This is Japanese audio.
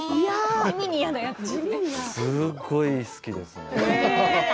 すごく好きですね。